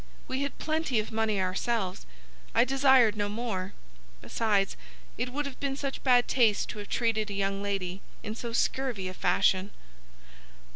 We had plenty of money ourselves. I desired no more. Besides, it would have been such bad taste to have treated a young lady in so scurvy a fashion.